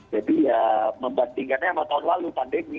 jadi ya membandingkannya sama tahun lalu pandemi